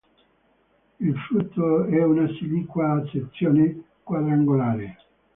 Il frutto è una siliqua a sezione quadrangolare.